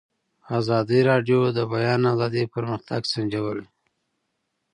ازادي راډیو د د بیان آزادي پرمختګ سنجولی.